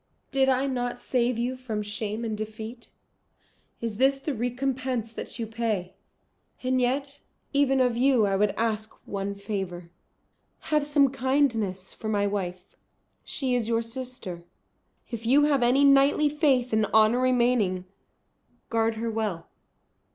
Did I not save you from shame and defeat? Is this the recompense that you pay? And yet even of you I would ask one favour. Have some kindness for my wife. She is your sister; if you have any knightly faith and honour remaining, guard her well."